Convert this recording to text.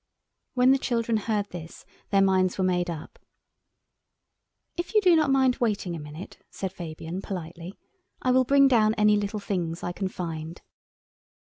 When the children heard this their minds were made up. "If you do not mind waiting a minute," said Fabian, politely, "I will bring down any little things I can find."